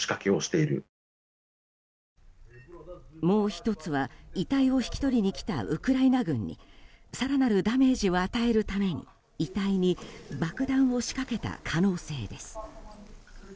もう１つは、遺体を引き取りに来たウクライナ軍に更なるダメージを与えるために遺体に爆弾を仕掛けた可能性です。